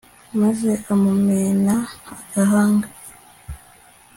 maze amumena agahanga